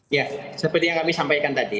ya seperti yang kami sampaikan tadi